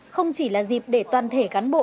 không chỉ là dịp để toàn thể cán bộ